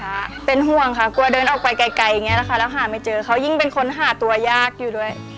เขายิ่งเป็นคนหาตัวยากอยู่ด้วย